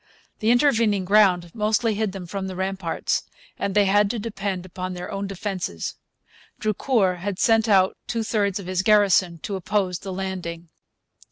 The intervening ground mostly hid them from the ramparts, and they had to depend upon their own defences. Drucour had sent out two thirds of his garrison to oppose the landing.